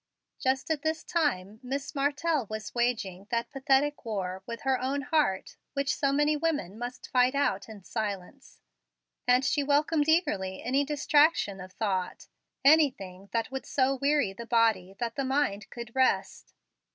Just at this time Miss Martell was waging that pathetic war with her own heart which so many women must fight out in silence; and she welcomed eagerly any distraction of thought, anything that would so weary the body that the mind could rest.